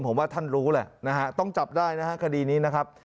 ผมว่าท่านรู้แหละต้องจับได้คดีนี้นะครับ